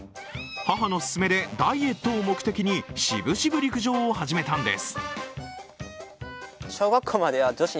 母の勧めでダイエットを目的に渋々陸上を始めたんです。